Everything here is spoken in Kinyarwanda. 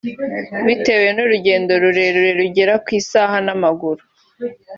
Bitewe n’urugendo rurerure rugera ku isaha n’amaguru